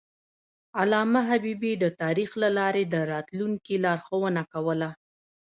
علامه حبیبي د تاریخ له لارې د راتلونکي لارښوونه کوله.